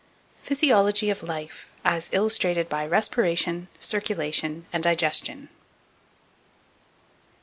Physiology of Life, as illustrated by Respiration, Circulation, and Digestion.